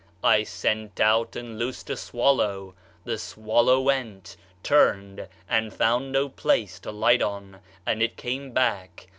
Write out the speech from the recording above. I sent out and loosed a swallow; the swallow went, turned, and found no place to light on, and it came back.